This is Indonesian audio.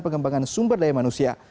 pengembangan sumber daya manusia